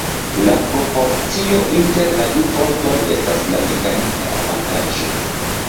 La proporcio inter la du fortoj estas la mekanika avantaĝo.